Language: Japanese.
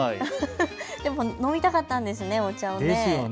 飲みたかったんですね、お茶を。